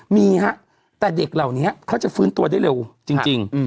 มีฮะแต่เด็กเหล่านี้เขาจะฟื้นตัวได้เร็วจริง